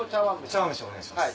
茶碗蒸しお願いします。